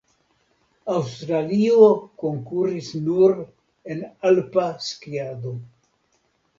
Aŭstralio konkuris nur en Alpa skiado.